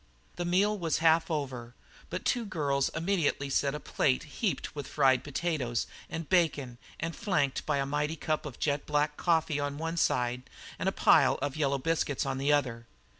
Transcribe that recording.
The meal was half over, but two girls immediately set a plate heaped with fried potatoes and bacon and flanked by a mighty cup of jetblack coffee on one side and a pile of yellow biscuits on the other.